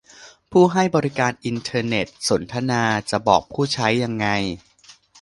ผู้ให้บริการอินเทอร์เน็ตสนทนา : จะบอกผู้ใช้ยังไง